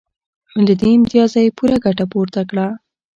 له دې امتیازه یې پوره ګټه پورته کړه